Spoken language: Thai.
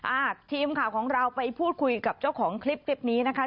อ่าทีมข่าวของเราไปพูดคุยกับเจ้าของคลิปคลิปนี้นะคะ